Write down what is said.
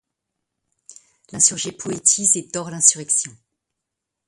L'insurgé poétise et dore l'insurrection.